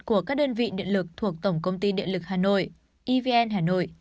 của các đơn vị điện lực thuộc tổng công ty điện lực hà nội evn hà nội